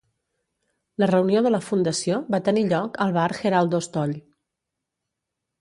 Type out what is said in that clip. La reunió de la fundació va tenir lloc al Bar Geraldo Stoll.